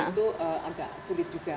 itu agak sulit juga